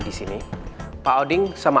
di sini pak alding sama